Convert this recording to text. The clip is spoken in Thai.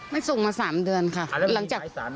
ส่งมา๓เดือนค่ะ